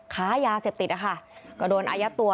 ค้ายาเสพติดนะคะก็โดนอายัดตัว